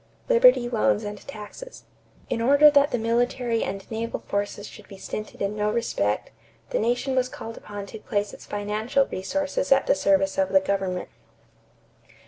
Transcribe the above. =Liberty Loans and Taxes.= In order that the military and naval forces should be stinted in no respect, the nation was called upon to place its financial resources at the service of the government.